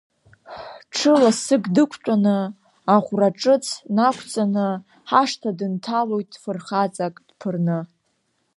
Ҽы ласык дақәтәаны, аӷәраҿыц нақәҵаны, ҳашҭа дынҭалоит фырхаҵак дԥырны.